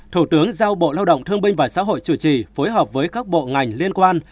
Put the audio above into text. thủ tướng giao bộ lao động thương binh và xã hội chủ trì phối hợp với các bộ ngành liên quan